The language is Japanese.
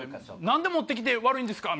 「何で持ってきて悪いんですか」